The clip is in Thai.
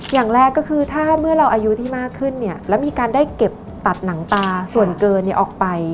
อย่างแรกก็คือถ้าเมื่อเราอายุที่มากขึ้นเนี่ยแล้วมีการได้เก็บตัดหนังตาส่วนเกินออกไป